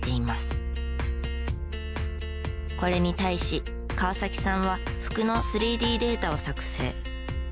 これに対し川崎さんは服の３Ｄデータを作成。